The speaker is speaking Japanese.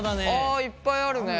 あいっぱいあるね。